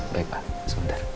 baik pak sebentar